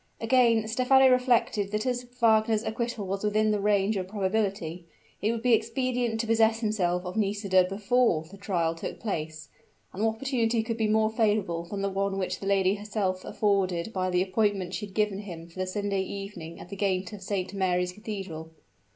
Again Stephano reflected that as Wagner's acquittal was within the range of probability, it would be expedient to possess himself of Nisida before the trial took place; and what opportunity could be more favorable than the one which that lady herself afforded by the appointment she had given him for the Sunday evening at the gate of Saint Mary's Cathedral?